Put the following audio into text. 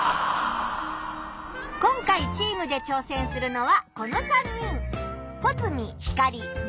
今回チームでちょうせんするのはこの３人。